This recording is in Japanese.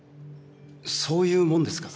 そういうもんですか？